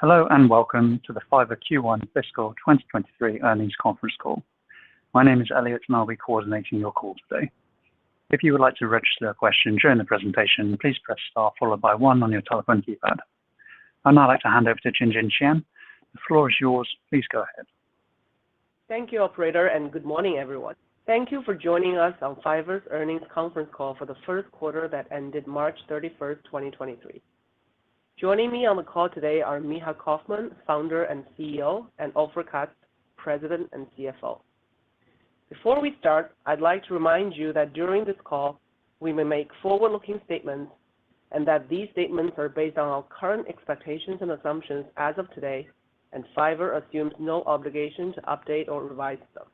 Hello, welcome to the Fiverr Q1 Fiscal 2023 Earnings Conference Call. My name is Elliot, I'll be coordinating your call today. If you would like to register a question during the presentation, please press star followed by 1 on your telephone keypad. I'd now like to hand over to Jinj in Qian. The floor is yours. Please go ahead. Thank you, operator, and good morning, everyone. Thank you for joining us on Fiverr's earnings conference call for the first quarter that ended March 31, 2023. Joining me on the call today are Micha Kaufman, Founder and CEO, and Ofer Katz, President and CFO. Before we start, I'd like to remind you that during this call we may make forward-looking statements, and that these statements are based on our current expectations and assumptions as of today, and Fiverr assumes no obligation to update or revise them.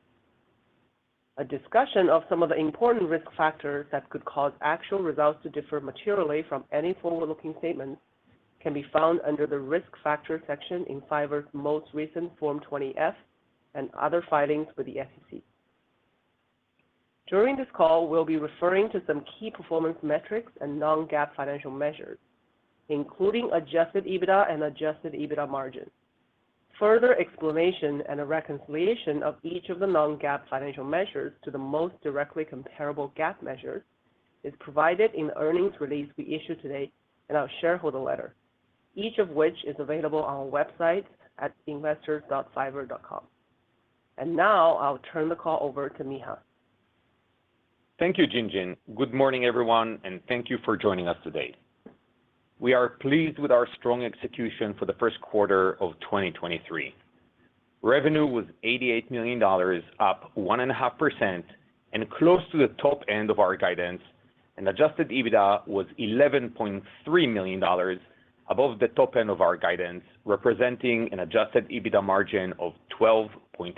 A discussion of some of the important risk factors that could cause actual results to differ materially from any forward-looking statements can be found under the Risk Factor section in Fiverr's most recent Form 20-F and other filings with the SEC. During this call, we'll be referring to some key performance metrics and non-GAAP financial measures, including Adjusted EBITDA and Adjusted EBITDA margin. Further explanation and a reconciliation of each of the non-GAAP financial measures to the most directly comparable GAAP measure is provided in the earnings release we issued today in our shareholder letter, each of which is available on our website at investors.fiverr.com. Now I'll turn the call over to Micha. Thank you, Jinjin. Good morning, everyone, and thank you for joining us today. We are pleased with our strong execution for the first quarter of 2023. Revenue was $88 million, up 1.5% and close to the top end of our guidance, and Adjusted EBITDA was $11.3 million, above the top end of our guidance, representing an Adjusted EBITDA margin of 12.8%.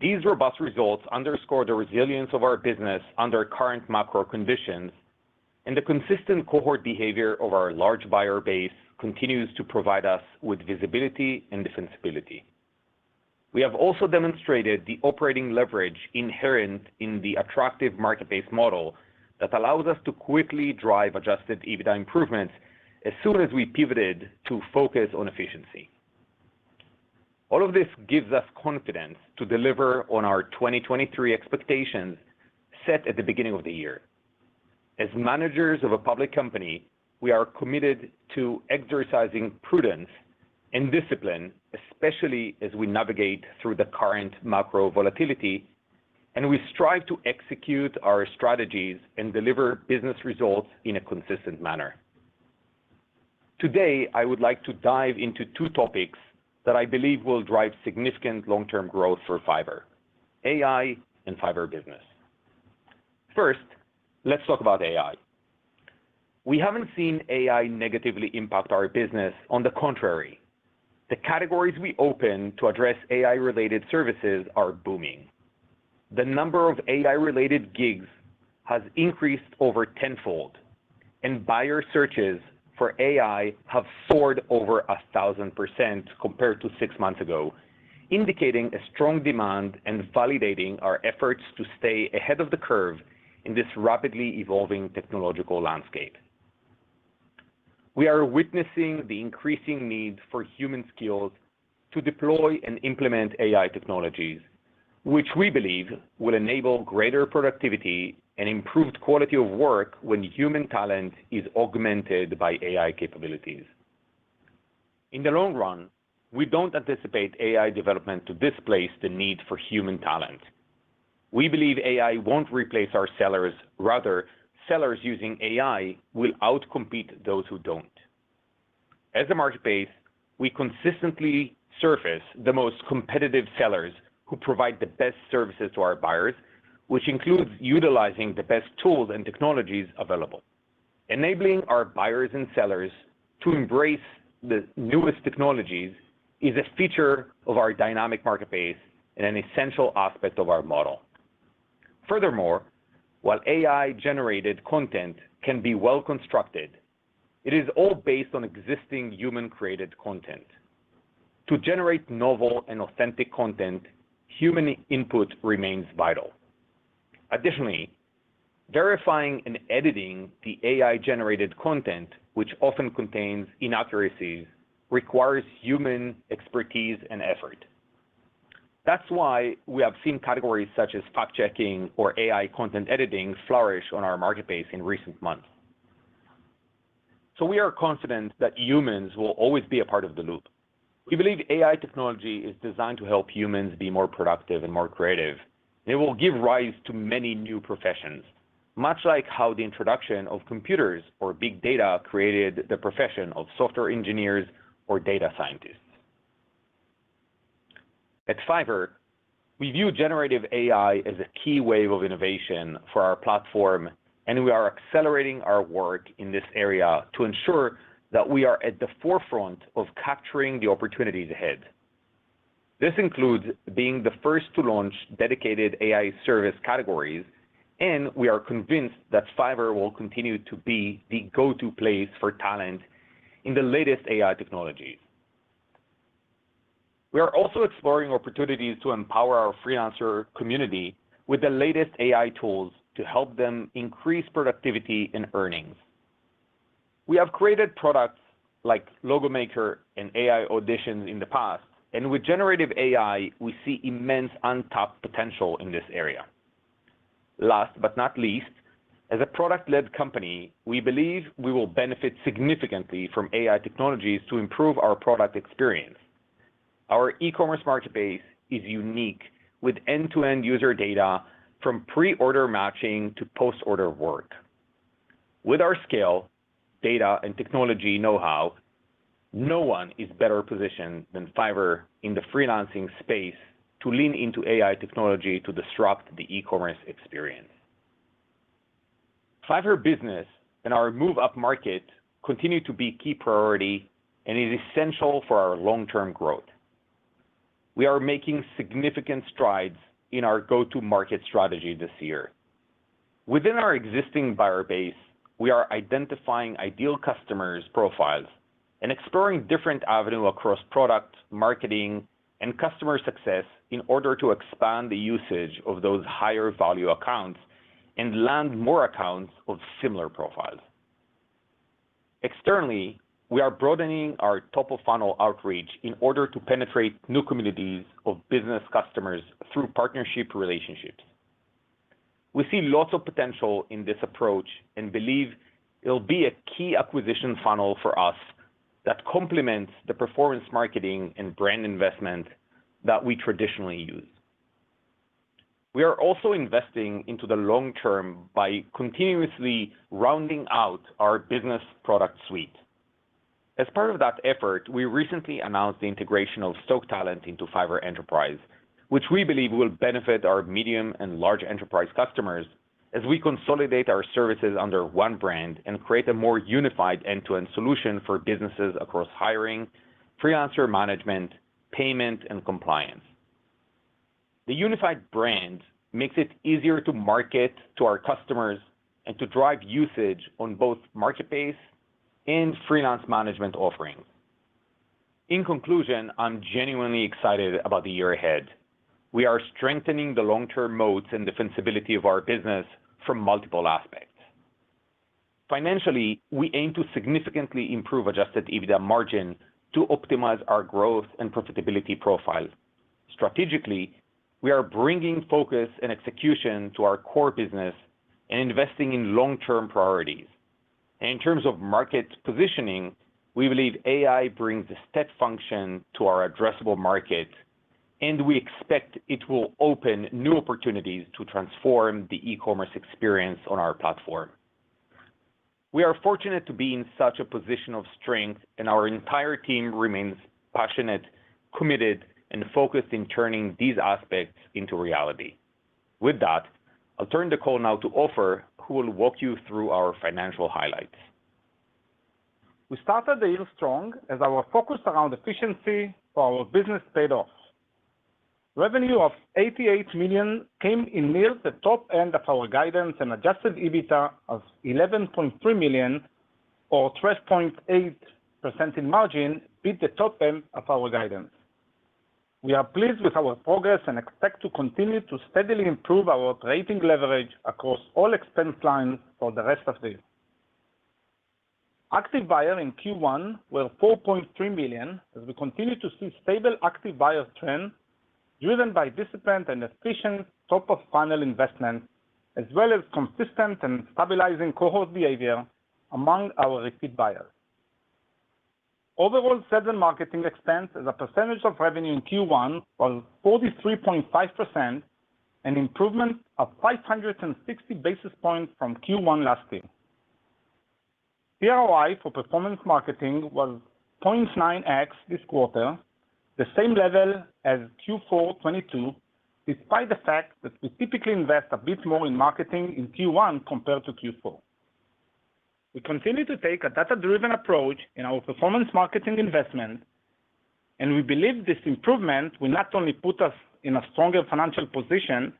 These robust results underscore the resilience of our business under current macro conditions and the consistent cohort behavior of our large buyer base continues to provide us with visibility and defensibility. We have also demonstrated the operating leverage inherent in the attractive market base model that allows us to quickly drive Adjusted EBITDA improvements as soon as we pivoted to focus on efficiency. All of this gives us confidence to deliver on our 2023 expectations set at the beginning of the year. As managers of a public company, we are committed to exercising prudence and discipline, especially as we navigate through the current macro volatility, and we strive to execute our strategies and deliver business results in a consistent manner. Today, I would like to dive into 2 topics that I believe will drive significant long-term growth for Fiverr: AI and Fiverr Business. First, let's talk about AI. We haven't seen AI negatively impact our business, on the contrary. The categories we opened to address AI-related services are booming. The number of AI-related gigs has increased over tenfold, and buyer searches for AI have soared over 1,000% compared to 6 months ago, indicating a strong demand and validating our efforts to stay ahead of the curve in this rapidly evolving technological landscape. We are witnessing the increasing need for human skills to deploy and implement AI technologies, which we believe will enable greater productivity and improved quality of work when human talent is augmented by AI capabilities. In the long run, we don't anticipate AI development to displace the need for human talent. We believe AI won't replace our sellers. Rather, sellers using AI will outcompete those who don't. As a marketplace, we consistently surface the most competitive sellers who provide the best services to our buyers, which includes utilizing the best tools and technologies available. Enabling our buyers and sellers to embrace the newest technologies is a feature of our dynamic marketplace and an essential aspect of our model. Furthermore, while AI-generated content can be well constructed, it is all based on existing human-created content. To generate novel and authentic content, human input remains vital. Additionally, verifying and editing the AI-generated content, which often contains inaccuracies, requires human expertise and effort. That's why we have seen categories such as fact-checking or AI content editing flourish on our marketplace in recent months. We are confident that humans will always be a part of the loop. We believe AI technology is designed to help humans be more productive and more creative. It will give rise to many new professions, much like how the introduction of computers or big data created the profession of software engineers or data scientists. At Fiverr, we view generative AI as a key wave of innovation for our platform, and we are accelerating our work in this area to ensure that we are at the forefront of capturing the opportunities ahead. This includes being the first to launch dedicated AI service categories, and we are convinced that Fiverr will continue to be the go-to place for talent in the latest AI technologies. We are also exploring opportunities to empower our freelancer community with the latest AI tools to help them increase productivity and earnings. We have created products like Logo Maker and AI Auditions in the past, and with generative AI, we see immense untapped potential in this area. Last but not least, as a product-led company, we believe we will benefit significantly from AI technologies to improve our product experience. Our e-commerce marketplace is unique with end-to-end user data from pre-order matching to post-order work. With our scale, data, and technology know-how, no one is better positioned than Fiverr in the freelancing space to lean into AI technology to disrupt the e-commerce experience. Fiverr Business and our move up market continue to be key priority and is essential for our long-term growth. We are making significant strides in our go-to-market strategy this year. Within our existing buyer base, we are identifying ideal customers profiles and exploring different avenue across product, marketing, and customer success in order to expand the usage of those higher value accounts and land more accounts of similar profiles. Externally, we are broadening our top-of-funnel outreach in order to penetrate new communities of business customers through partnership relationships. We see lots of potential in this approach and believe it'll be a key acquisition funnel for us that complements the performance marketing and brand investment that we traditionally use. We are also investing into the long term by continuously rounding out our business product suite. As part of that effort, we recently announced the integration of Stoke Talent into Fiverr Enterprise, which we believe will benefit our medium and large enterprise customers as we consolidate our services under 1 brand and create a more unified end-to-end solution for businesses across hiring, freelancer management, payment, and compliance. The unified brand makes it easier to market to our customers and to drive usage on both marketplace and freelance management offerings. In conclusion, I'm genuinely excited about the year ahead. We are strengthening the long-term moats and defensibility of our business from multiple aspects. Financially, we aim to significantly improve Adjusted EBITDA margin to optimize our growth and profitability profile. Strategically, we are bringing focus and execution to our core business and investing in long-term priorities. In terms of market positioning, we believe AI brings a step function to our addressable market, and we expect it will open new opportunities to transform the e-commerce experience on our platform. We are fortunate to be in such a position of strength, and our entire team remains passionate, committed, and focused in turning these aspects into reality. With that, I'll turn the call now to Ofer, who will walk you through our financial highlights. We started the year strong as our focus around efficiency for our business paid off. Revenue of $88 million came in near the top end of our guidance. Adjusted EBITDA of $11.3 million or 12.8% in margin beat the top end of our guidance. We are pleased with our progress and expect to continue to steadily improve our operating leverage across all expense lines for the rest of the year. Active Buyer in Q1 were 4.3 million, as we continue to see stable Active Buyer trend driven by disciplined and efficient top-of-funnel investment, as well as consistent and stabilizing cohort behavior among our repeat buyers. Overall, sales and marketing expense as a percentage of revenue in Q1 was 43.5%, an improvement of 560 basis points from Q1 last year. ROI for performance marketing was 0.9x this quarter, the same level as Q4 2022, despite the fact that we typically invest a bit more in marketing in Q1 compared to Q4. We continue to take a data-driven approach in our performance marketing investment, we believe this improvement will not only put us in a stronger financial position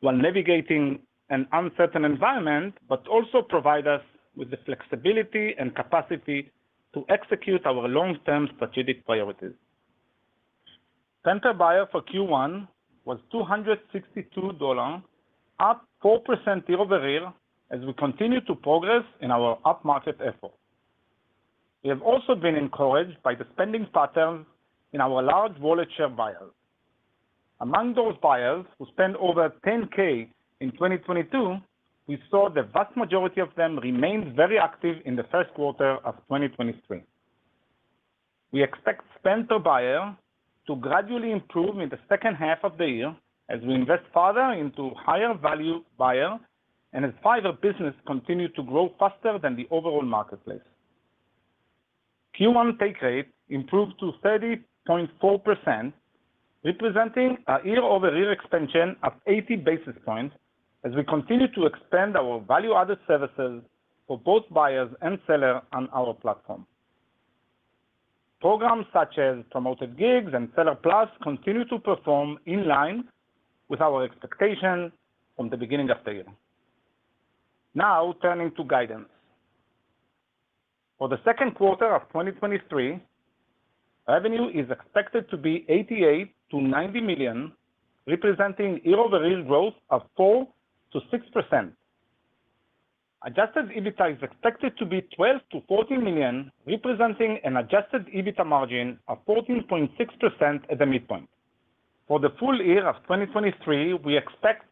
while navigating an uncertain environment, but also provide us with the flexibility and capacity to execute our long-term strategic priorities. Spend per buyer for Q1 was $262, up 4% year-over-year, as we continue to progress in our up-market effort. We have also been encouraged by the spending patterns in our large wallet share buyers. Among those buyers who spent over $10K in 2022, we saw the vast majority of them remained very active in the first quarter of 2023. We expect spend per buyer to gradually improve in the second half of the year as we invest further into higher value buyer and as Fiverr Business continue to grow faster than the overall marketplace. Q1 take rate improved to 30.4%, representing a year-over-year expansion of 80 basis points as we continue to expand our value-added services for both buyers and sellers on our platform. Programs such as Promoted Gigs and Seller Plus continue to perform in line with our expectations from the beginning of the year. Turning to guidance. For the second quarter of 2023, revenue is expected to be $88 million-$90 million, representing year-over-year growth of 4%-6%. Adjusted EBITDA is expected to be $12 million-$14 million, representing an Adjusted EBITDA margin of 14.6% at the midpoint. For the full year 2023, we expect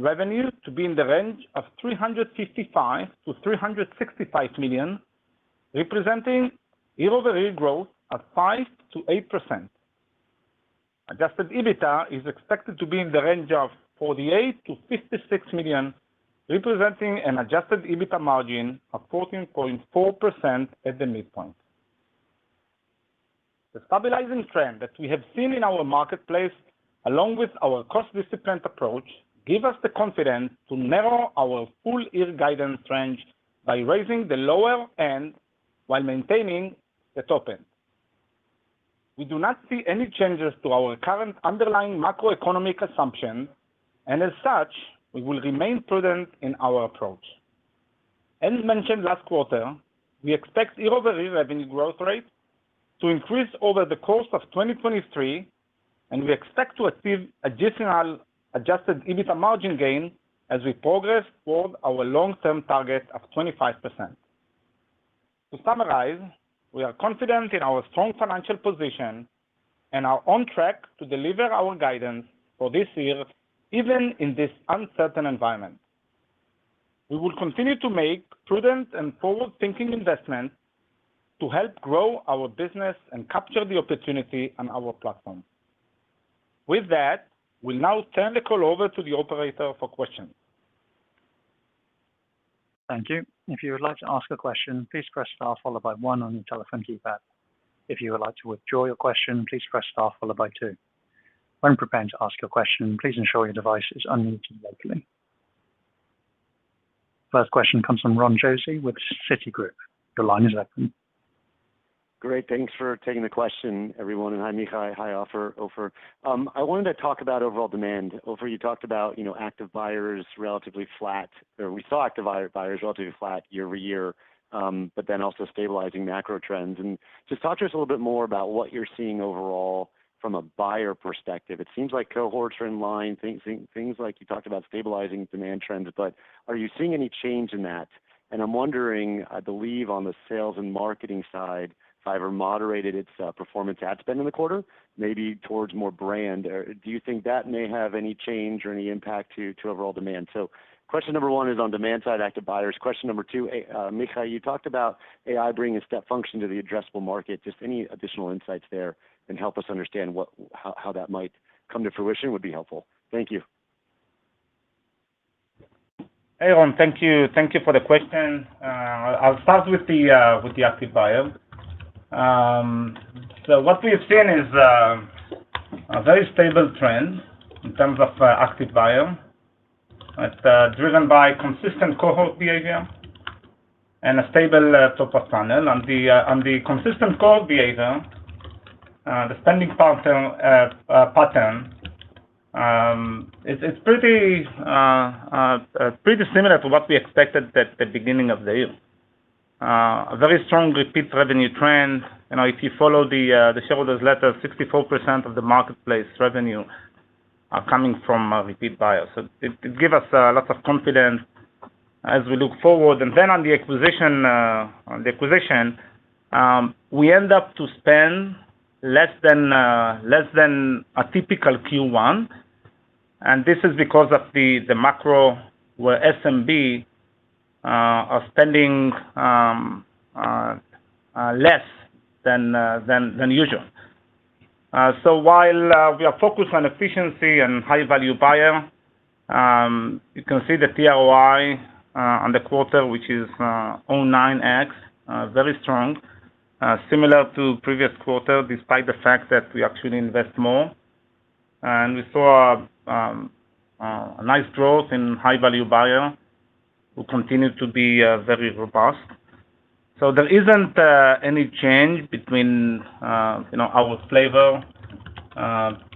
revenue to be in the range of $355 million-$365 million, representing year-over-year growth of 5%-8%. Adjusted EBITDA is expected to be in the range of $48 million-$56 million, representing an Adjusted EBITDA margin of 14.4% at the midpoint. The stabilizing trend that we have seen in our marketplace, along with our cost discipline approach, give us the confidence to narrow our full year guidance range by raising the lower end while maintaining the top end. We do not see any changes to our current underlying macroeconomic assumption, and as such, we will remain prudent in our approach. As mentioned last quarter, we expect year-over-year revenue growth rate to increase over the course of 2023, and we expect to achieve additional Adjusted EBITDA margin gain as we progress toward our long-term target of 25%. To summarize, we are confident in our strong financial position and are on track to deliver our guidance for this year, even in this uncertain environment. We will continue to make prudent and forward-thinking investments to help grow our business and capture the opportunity on our platform. With that, we'll now turn the call over to the operator for questions. Thank you. If you would like to ask a question, please press star followed by 1 on your telephone keypad. If you would like to withdraw your question, please press star followed by 2. When preparing to ask your question, please ensure your device is unmuted locally. First question comes from Ronald Josey with Citigroup. Your line is open. Great. Thanks for taking the question, everyone. Hi, Micha. Hi, Ofer. I wanted to talk about overall demand. Ofer, you talked about, you know, active buyers relatively flat, or we saw active buyers relatively flat year-over-year, but then also stabilizing macro trends. Just talk to us a little bit more about what you're seeing overall from a buyer perspective. It seems like cohorts are in line, things like you talked about stabilizing demand trends, but are you seeing any change in that? I'm wondering, I believe on the sales and marketing side, Fiverr moderated its performance ad spend in the quarter, maybe towards more brand. Do you think that may have any change or any impact to overall demand? Question number 1 is on demand side, active buyers. Question 2, Micha, you talked about AI bringing step function to the addressable market. Just any additional insights there can help us understand how that might come to fruition would be helpful. Thank you. Hey, Ron. Thank you. Thank you for the question. I'll start with the Active Buyer. What we've seen is a very stable trend in terms of Active Buyer. It's driven by consistent cohort behavior and a stable top-of-funnel. On the consistent cohort behavior, the spending pattern, it's pretty similar to what we expected at beginning of the year. A very strong repeat revenue trend. You know, if you follow the shareholders letter, 64% of the marketplace revenue are coming from repeat buyers. It give us a lot of confidence as we look forward. On the acquisition, we end up to spend less than a typical Q1, and this is because of the macro where SMB are spending less than usual. While we are focused on efficiency and high value buyer, you can see the ROI on the quarter, which is 0.9x, very strong, similar to previous quarter, despite the fact that we actually invest more. We saw a nice growth in high value buyer who continue to be very robust. There isn't any change between, you know, our flavor,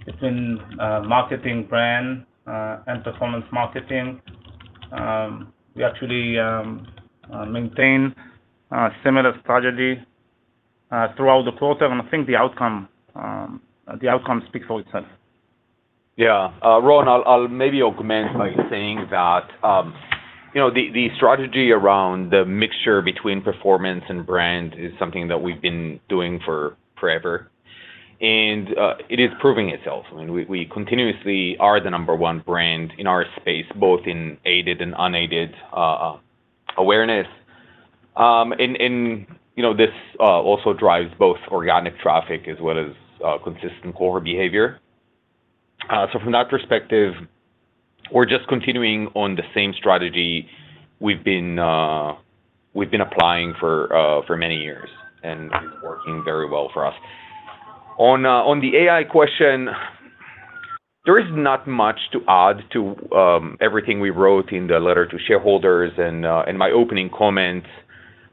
between marketing brand and performance marketing. We actually maintain similar strategy throughout the quarter. I think the outcome speaks for itself. Yeah. Ron, I'll maybe augment by saying that, you know, the strategy around the mixture between performance and brand is something that we've been doing for forever, and it is proving itself. I mean, we continuously are the number 1 brand in our space, both in aided and unaided awareness. You know, this also drives both organic traffic as well as consistent cohort behavior. From that perspective, we're just continuing on the same strategy we've been applying for many years, and it's working very well for us. On the AI question, there is not much to add to everything we wrote in the letter to shareholders and my opening comments.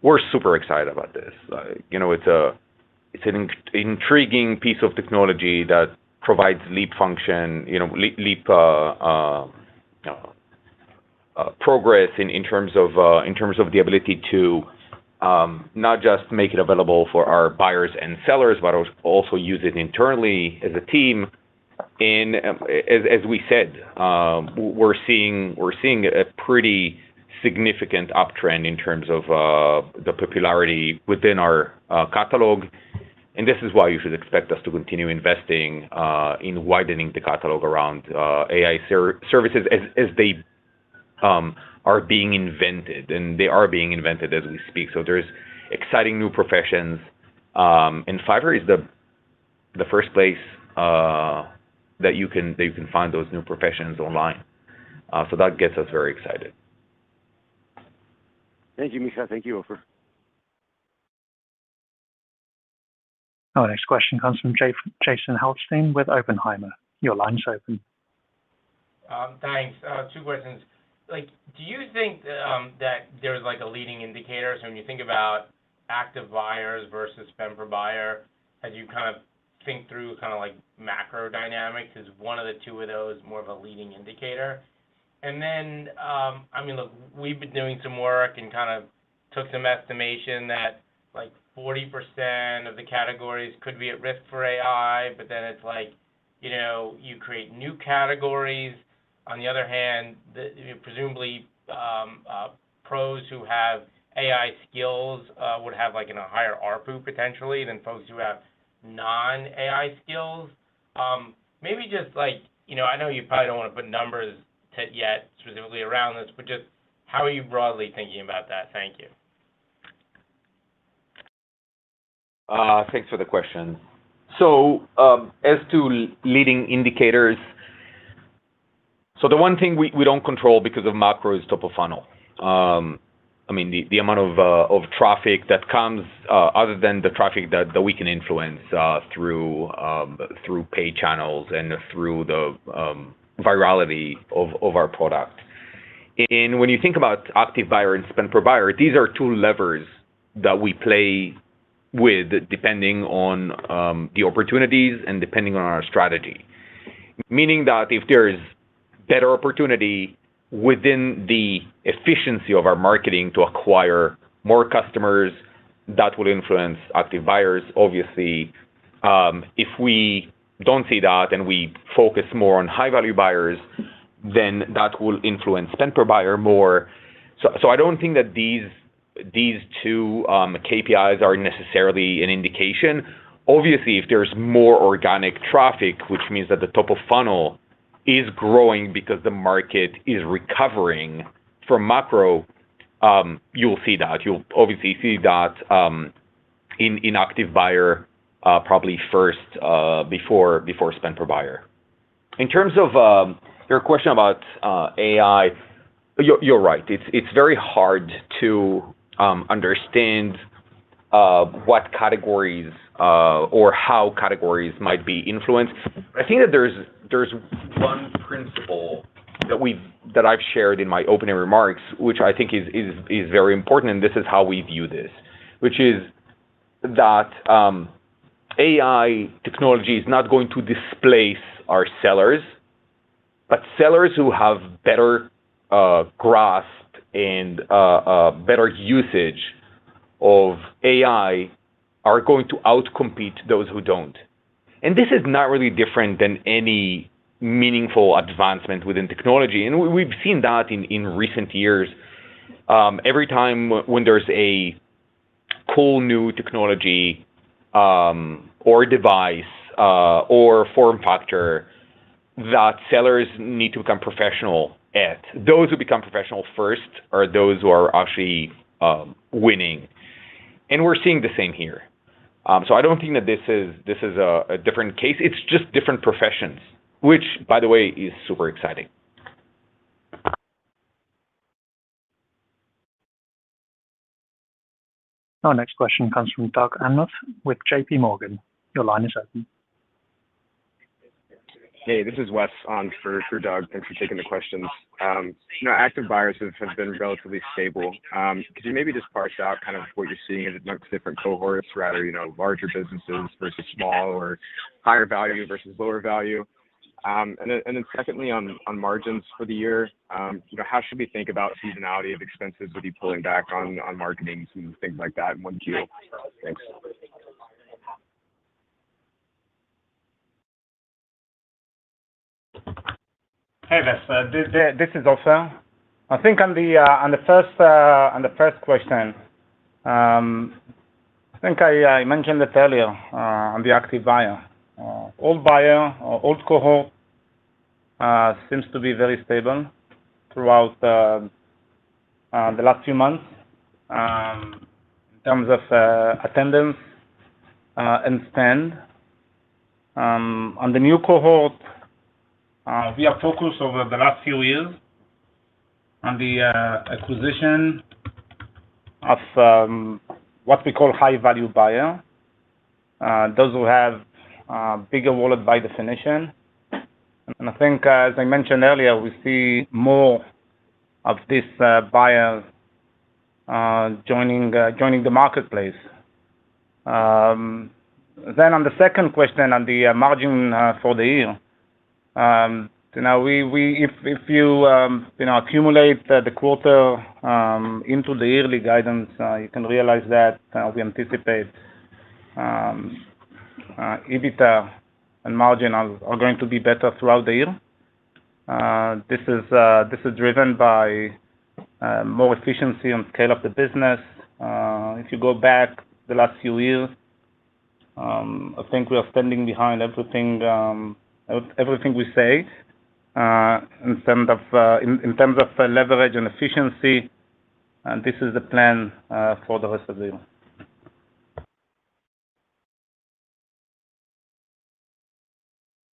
We're super excited about this. You know, it's an intriguing piece of technology that provides leap function, you know, leap progress in terms of the ability to not just make it available for our buyers and sellers, but also use it internally as a team. As we said, we're seeing a pretty significant uptrend in terms of the popularity within our catalog. This is why you should expect us to continue investing in widening the catalog around AI services as they are being invented, and they are being invented as we speak. There's exciting new professions, and Fiverr is the first place that you can find those new professions online. That gets us very excited. Thank you, Micha. Thank you, Ofer. Our next question comes from Jason Helfstein with Oppenheimer. Your line's open. Thanks. 2 questions. Like, do you think that there's like a leading indicator? When you think about Active Buyers versus spend per buyer, as you kind of think through kinda like macro dynamics, is 1 of the 2 of those more of a leading indicator? I mean, look, we've been doing some work and kinda took some estimation that like 40% of the categories could be at risk for AI, it's like, you know, you create new categories. On the other hand, presumably, pros who have AI skills would have like an higher ARPU potentially than folks who have non-AI skills. Maybe just like... You know, I know you probably don't wanna put numbers to it yet specifically around this, but just how are you broadly thinking about that? Thank you. Thanks for the question. As to leading indicators. The one thing we don't control because of macro is top of funnel. I mean, the amount of traffic that comes, other than the traffic that we can influence, through paid channels and through the virality of our product. When you think about Active Buyer and spend per buyer, these are 2 levers that we play with depending on the opportunities and depending on our strategy. Meaning that if there is better opportunity within the efficiency of our marketing to acquire more customers, that will influence Active Buyers obviously. If we don't see that and we focus more on high-value buyers, then that will influence spend per buyer more. I don't think that these 2 KPIs are necessarily an indication. Obviously, if there's more organic traffic, which means that the top of funnel is growing because the market is recovering from macro, you'll see that. You'll obviously see that in active buyer probably first before spend per buyer. In terms of your question about AI, you're right. It's very hard to understand what categories or how categories might be influenced. I think that there's one principle that I've shared in my opening remarks, which I think is very important, and this is how we view this, which is that AI technology is not going to displace our sellers, but sellers who have better grasp and better usage of AI are going to out-compete those who don't. This is not really different than any meaningful advancement within technology, and we've seen that in recent years. Every time when there's a cool new technology, or device, or form factor that sellers need to become professional at, those who become professional first are those who are actually winning. We're seeing the same here. I don't think that this is a different case. It's just different professions, which, by the way, is super exciting. Our next question comes from Doug Anmuth with JPMorgan. Your line is open. Hey, this is Wes on for Doug. Thanks for taking the questions. You know, active buyers have been relatively stable. Could you maybe just parse out kind of what you're seeing amongst different cohorts, whether, you know, larger businesses versus small or higher value versus lower value? Secondly, on margins for the year, you know, how should we think about seasonality of expenses? Will you be pulling back on marketing and things like that in Q? Thanks. Hey, Wes. This is Ofer. I think on the first question, I mentioned it earlier on the Active Buyer. old buyer or old cohort seems to be very stable throughout the last few months in terms of attendance and spend. on the new cohort, we are focused over the last few years on the acquisition of what we call high-value buyer, those who have a bigger wallet by definition. I think, as I mentioned earlier, we see more of these buyers... Joining the marketplace. On the second question on the margin for the year. Now if you know, accumulate the quarter into the yearly guidance, you can realize that we anticipate EBITDA and margin are going to be better throughout the year. This is driven by more efficiency and scale of the business. If you go back the last few years, I think we are standing behind everything we said in terms of leverage and efficiency, and this is the plan for the rest of the year.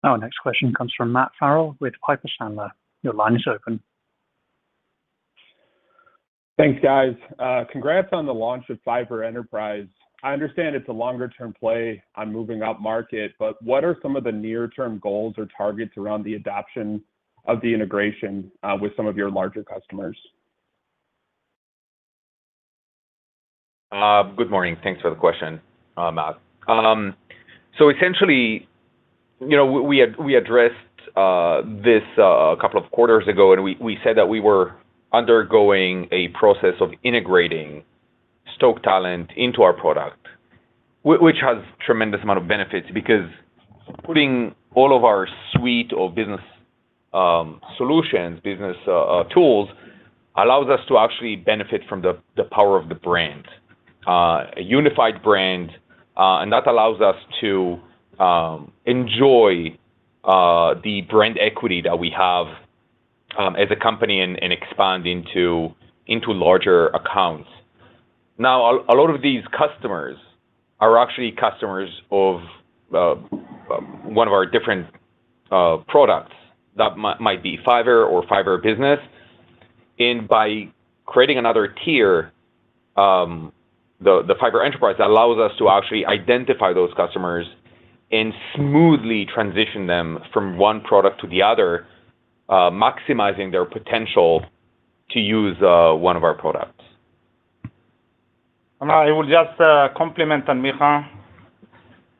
Our next question comes from Matthew Farrell with Piper Sandler. Your line is open. Thanks, guys. Congrats on the launch of Fiverr Enterprise. I understand it's a longer term play on moving up market. What are some of the near term goals or targets around the adoption of the integration, with some of your larger customers? Good morning. Thanks for the question, Matt. Essentially, you know, we addressed this couple of quarters ago, and we said that we were undergoing a process of integrating Stoke Talent into our product, which has tremendous amount of benefits, because putting all of our suite of business solutions, business tools allows us to actually benefit from the power of the brand, a unified brand. That allows us to enjoy the brand equity that we have as a company and expand into larger accounts. A lot of these customers are actually customers of one of our different products. That might be Fiverr or Fiverr Business. By creating another tier, the Fiverr Enterprise allows us to actually identify those customers and smoothly transition them from one product to the other, maximizing their potential to use one of our products. I will just compliment on Micha.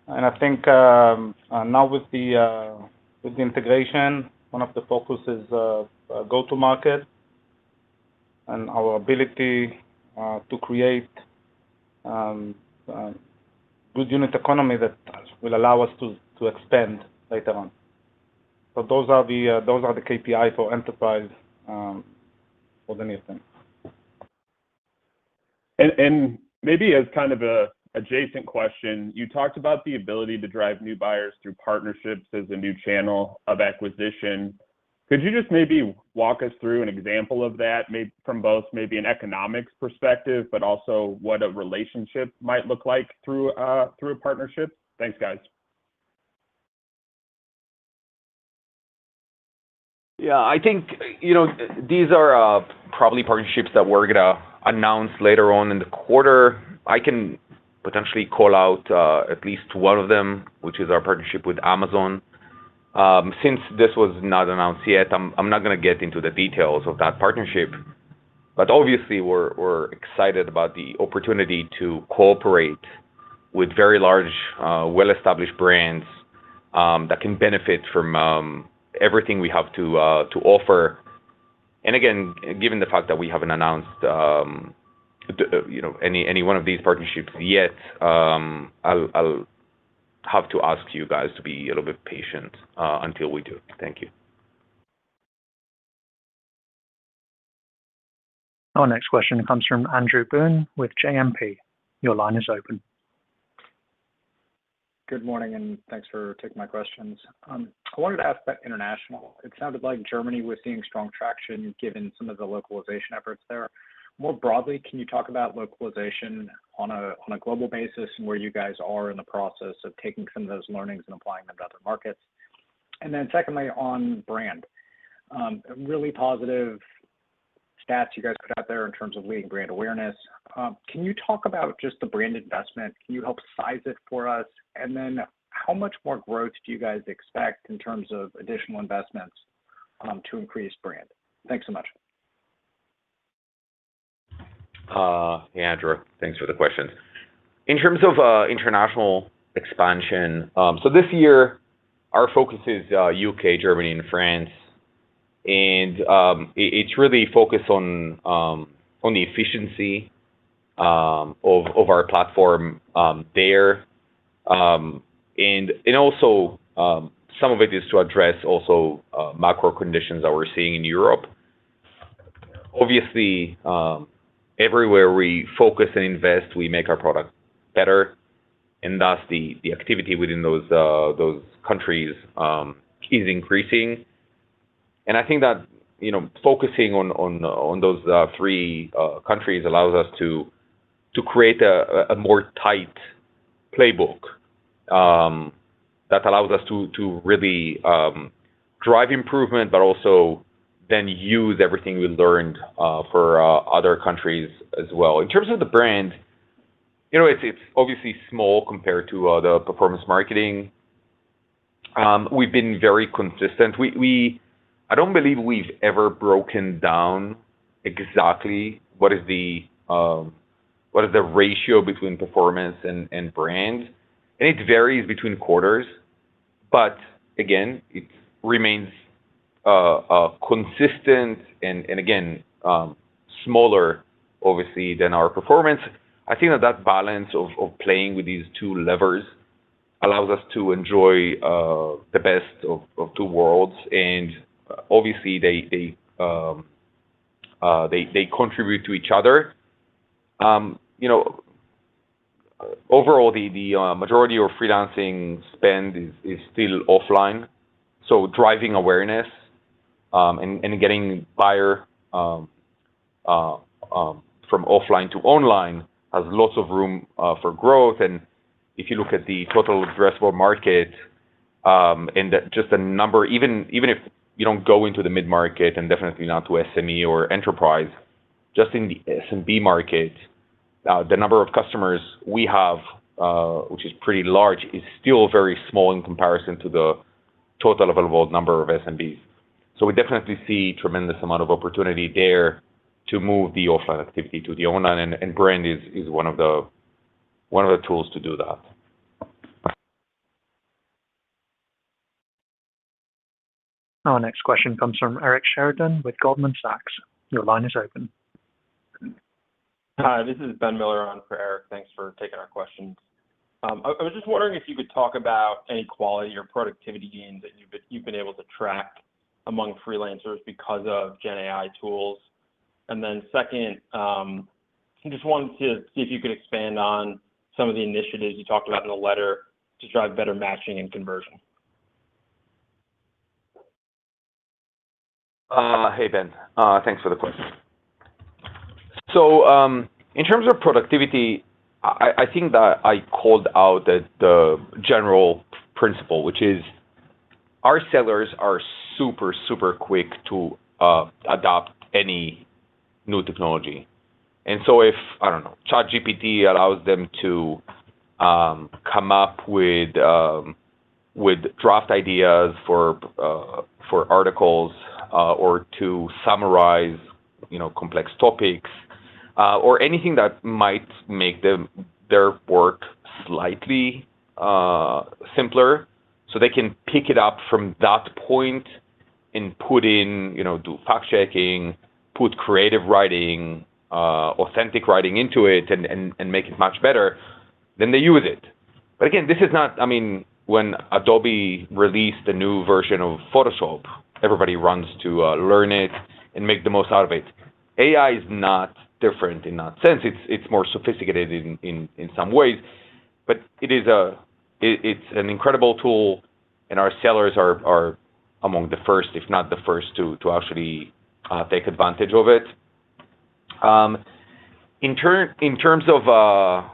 I think now with the integration, one of the focuses of go-to-market and our ability to create good unit economy that will allow us to expand later on. Those are the KPIs for Enterprise for the near term. Maybe as kind of an adjacent question, you talked about the ability to drive new buyers through partnerships as a new channel of acquisition. Could you just maybe walk us through an example of that, from both maybe an economics perspective, but also what a relationship might look like through a partnership? Thanks, guys. Yeah. I think, you know, these are probably partnerships that we're gonna announce later on in the quarter. I can potentially call out at least one of them, which is our partnership with Amazon. Since this was not announced yet, I'm not gonna get into the details of that partnership, but obviously we're excited about the opportunity to cooperate with very large, well-established brands that can benefit from everything we have to offer. Given the fact that we haven't announced the, you know, any one of these partnerships yet, I'll have to ask you guys to be a little bit patient until we do. Thank you. Our next question comes from Andrew Boone with JMP. Your line is open. Good morning. Thanks for taking my questions. I wanted to ask about international. It sounded like Germany was seeing strong traction given some of the localization efforts there. More broadly, can you talk about localization on a global basis and where you guys are in the process of taking some of those learnings and applying them to other markets? Secondly, on brand, really positive stats you guys put out there in terms of leading brand awareness. Can you talk about just the brand investment? Can you help size it for us? How much more growth do you guys expect in terms of additional investments to increase brand? Thanks so much. Andrew, thanks for the question. In terms of international expansion, this year our focus is UK, Germany, and France, and it's really focused on the efficiency of our platform there. Also, some of it is to address also macro conditions that we're seeing in Europe. Obviously, everywhere we focus and invest, we make our product better, and thus the activity within those countries is increasing. I think that, you know, focusing on those 3 countries allows us to create a more tight playbook that allows us to really drive improvement, but also then use everything we learned for other countries as well. In terms of the brand, you know, it's obviously small compared to the performance marketing. We've been very consistent. We don't believe we've ever broken down exactly what is the ratio between performance and brand. It varies between quarters, but again, it remains consistent and again, smaller obviously than our performance. I think that that balance of playing with these 2 levers allows us to enjoy the best of 2 worlds, and obviously they contribute to each other. You know, overall, the majority of freelancing spend is still offline, so driving awareness and getting buyer from offline to online has lots of room for growth. If you look at the total addressable market, and the just the number, even if you don't go into the mid-market and definitely not to SME or enterprise, just in the SMB market, the number of customers we have, which is pretty large, is still very small in comparison to the total available number of SMBs. We definitely see tremendous amount of opportunity there to move the offline activity to the online, and brand is one of the tools to do that. Our next question comes from Eric Sheridan with Goldman Sachs. Your line is open. Hi, this is Ben Miller on for Eric. Thanks for taking our questions. I was just wondering if you could talk about any quality or productivity gains that you've been able to track among freelancers because of gen AI tools. Second, just wanted to see if you could expand on some of the initiatives you talked about in the letter to drive better matching and conversion. Hey, Ben. Thanks for the question. In terms of productivity, I think that I called out the general principle, which is our sellers are super quick to adopt any new technology. If, I don't know, ChatGPT allows them to come up with draft ideas for articles, or to summarize, you know, complex topics, or anything that might make their work slightly simpler so they can pick it up from that point and put in, you know, do fact-checking, put creative writing, authentic writing into it and make it much better, then they use it. Again, I mean, when Adobe released a new version of Photoshop, everybody runs to learn it and make the most out of it. AI is not different in that sense. It's more sophisticated in some ways, but it's an incredible tool, and our sellers are among the first, if not the first to actually take advantage of it. In terms of,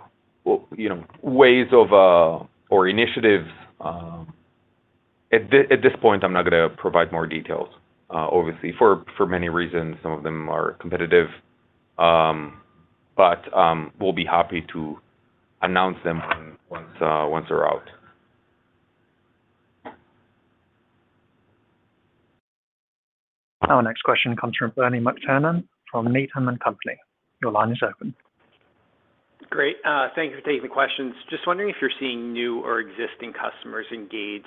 you know, ways of or initiatives, at this point, I'm not gonna provide more details, obviously for many reasons. Some of them are competitive. We'll be happy to announce them once once they're out. Our next question comes from Bernie McTernan from Needham and Company. Your line is open. Great. Thank you for taking the questions. Just wondering if you're seeing new or existing customers engage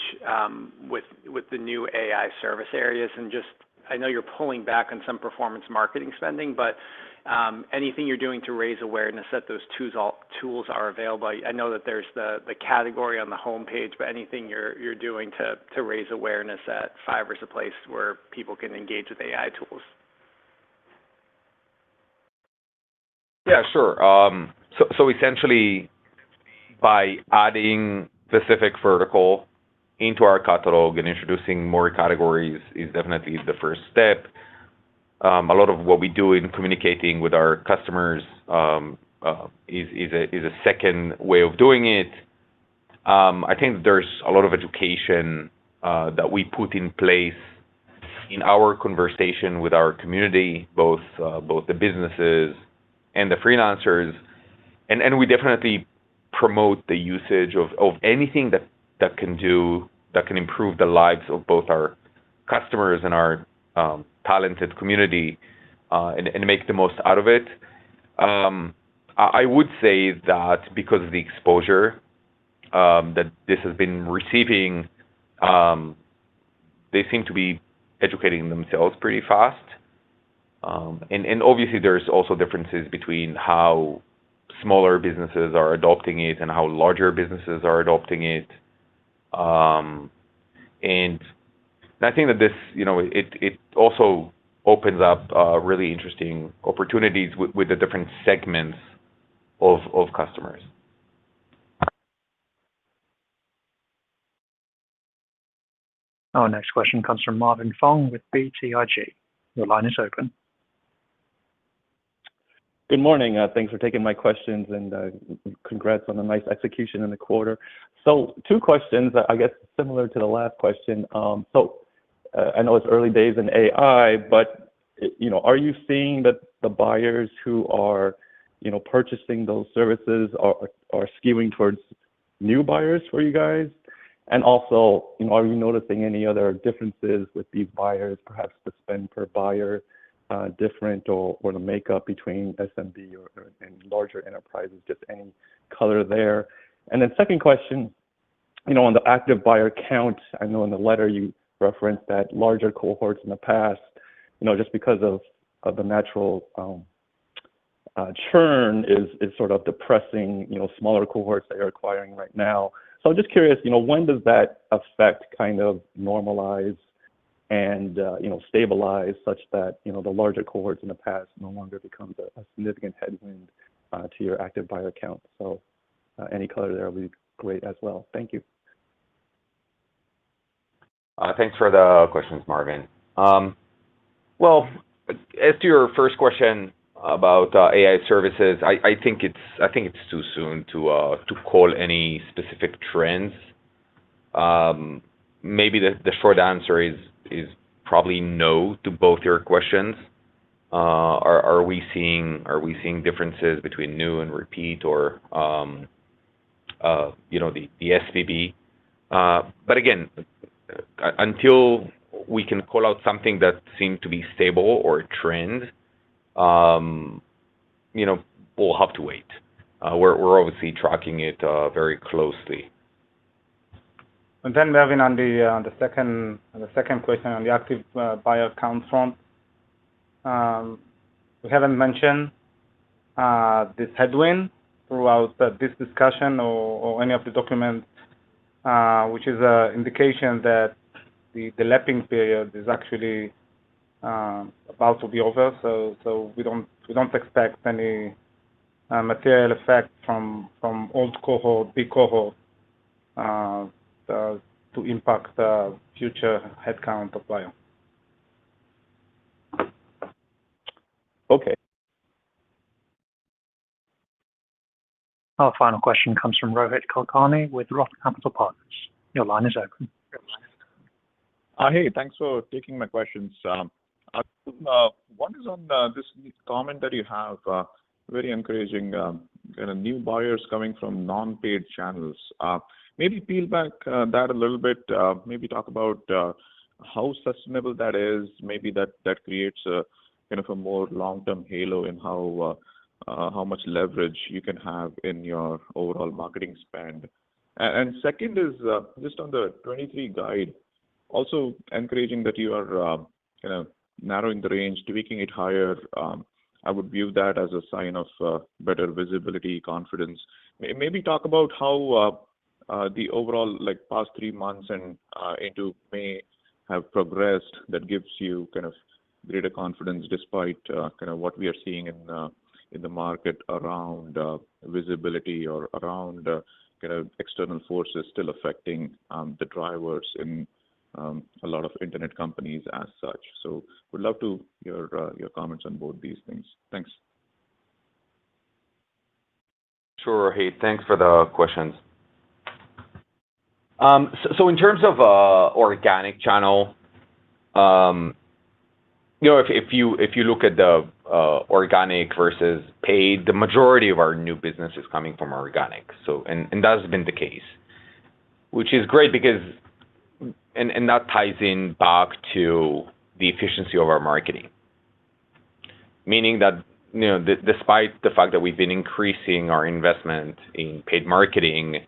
with the new AI service areas. Just I know you're pulling back on some performance marketing spending, but anything you're doing to raise awareness that those tools are available. I know that there's the category on the homepage, but anything you're doing to raise awareness that Fiverr is a place where people can engage with AI tools? Yeah, sure. So essentially by adding specific vertical into our catalog and introducing more categories is definitely the first step. A lot of what we do in communicating with our customers is a second way of doing it. I think there's a lot of education that we put in place in our conversation with our community, both the businesses and the freelancers. We definitely promote the usage of anything that can improve the lives of both our customers and our talented community and make the most out of it. I would say that because of the exposure that this has been receiving, they seem to be educating themselves pretty fast. Obviously there's also differences between how smaller businesses are adopting it and how larger businesses are adopting it. I think that this, you know, it also opens up really interesting opportunities with the different segments of customers. Our next question comes from Marvin Fong with BTIG. Your line is open. Good morning. thanks for taking my questions, and congrats on a nice execution in the quarter. 2 questions, I guess similar to the last question. I know it's early days in AI, but, you know, are you seeing that the buyers who are, you know, purchasing those services are skewing towards new buyers for you guys? Also, you know, are you noticing any other differences with these buyers, perhaps the spend per buyer different or the makeup between SMB or, and larger enterprises, just any color there? Second question, you know, on the active buyer count, I know in the letter you referenced that larger cohorts in the past, you know, just because of the natural churn is sort of depressing, you know, smaller cohorts that you're acquiring right now. I'm just curious, you know, when does that affect kind of normalize and, you know, stabilize such that, you know, the larger cohorts in the past no longer become a significant headwind to your Active Buyer count? Any color there will be great as well. Thank you. Thanks for the questions, Marvin. Well, as to your first question about AI services, I think it's too soon to call any specific trends. Maybe the short answer is probably no to both your questions. Are we seeing differences between new and repeat or, you know, the SMB. Again, until we can call out something that seemed to be stable or a trend, you know, we'll have to wait. We're obviously tracking it very closely. Marvin, on the second question on the Active Buyer counts front, we haven't mentioned this headwind throughout this discussion or any of the documents, which is a indication that the lapping period is actually about to be over. We don't expect any material effect from old cohort, big cohort to impact the future headcount of buyer. Okay. Our final question comes from Rohit Kulkarni with Roth Capital Partners. Your line is open. Hey, thanks for taking my questions. 1 is on this comment that you have very encouraging kind of new buyers coming from non-paid channels. Maybe peel back that a little bit, maybe talk about how sustainable that is. Maybe that creates a kind of a more long-term halo and how how much leverage you can have in your overall marketing spend. Second is just on the 23 guide, also encouraging that you are, you know, narrowing the range, tweaking it higher. I would view that as a sign of better visibility, confidence. Maybe talk about how the overall like past 3 months and into May have progressed that gives you kind of greater confidence despite kind of what we are seeing in the market around visibility or around kind of external forces still affecting the drivers in a lot of internet companies as such. Would love to your comments on both these things. Thanks. Sure, Rohit. Thanks for the questions. So in terms of organic channel, you know, if you look at the organic versus paid, the majority of our new business is coming from organic. And that's been the case, which is great because. And that ties in back to the efficiency of our marketing, meaning that, you know, despite the fact that we've been increasing our investment in paid marketing,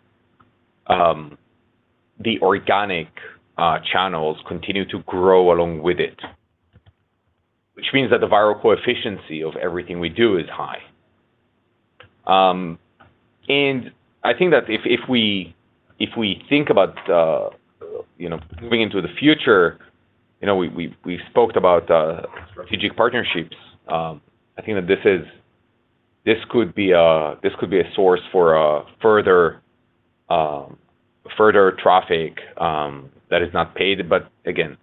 the organic channels continue to grow along with it, which means that the viral coefficiency of everything we do is high. And I think that if we think about, you know, moving into the future, you know, we spoke about strategic partnerships. I think that this could be a source for further further traffic that is not paid. Again,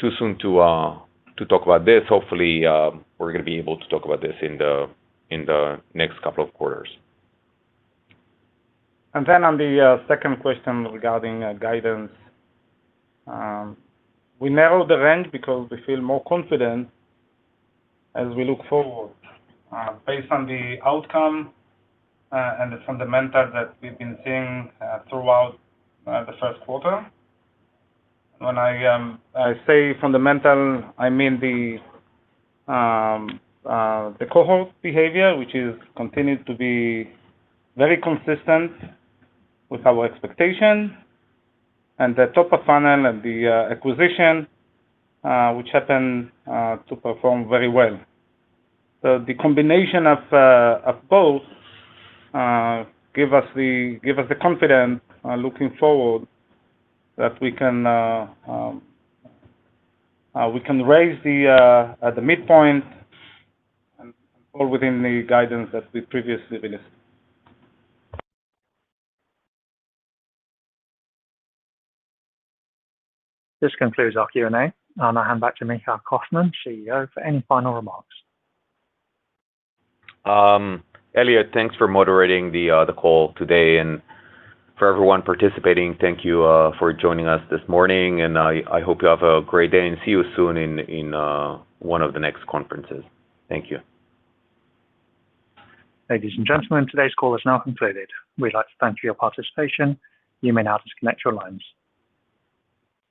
too soon to talk about this. Hopefully, we're gonna be able to talk about this in the in the next couple of quarters. On the 2nd question regarding guidance, we narrowed the range because we feel more confident as we look forward, based on the outcome and the fundamentals that we've been seeing throughout the 1st quarter. When I say fundamental, I mean the cohort behavior, which is continued to be very consistent with our expectation and the top of funnel and the acquisition, which happened to perform very well. The combination of both give us the confidence looking forward that we can we can raise the midpoint and all within the guidance that we previously released. This concludes our Q&A. I'll now hand back to Micha Kaufman, CEO, for any final remarks. Elliot, thanks for moderating the call today and for everyone participating, thank you for joining us this morning. I hope you have a great day and see you soon in one of the next conferences. Thank you. Ladies and gentlemen, today's call is now concluded. We'd like to thank you for your participation. You may now disconnect your lines.